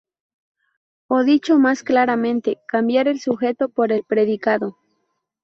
O dicho más claramente cambiar el sujeto por el predicado.